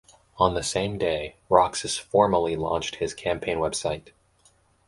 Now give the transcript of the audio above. On the same day, Roxas formally launched his campaign website.